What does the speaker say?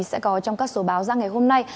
sẽ có trong các số báo ra ngày hôm nay